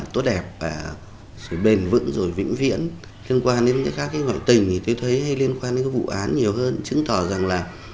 trên nặng nhẹ đến mức nặng